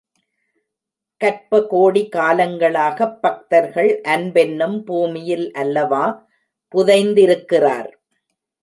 கற்ப கோடி காலங்களாகப் பக்தர்கள் அன்பென்னும் பூமியில் அல்லவா புதைந்திருக்கிறார்.